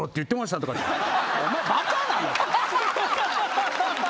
「お前バカなの？」